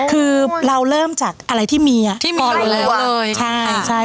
คือเราเริ่มจากอะไรที่มีล่ะ